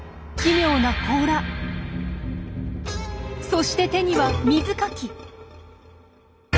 そして手には水かき。